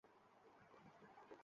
আমার সম্মোহনীক্ষমতা আছে বলে মনে হয়?